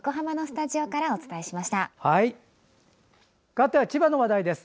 かわっては千葉の話題です。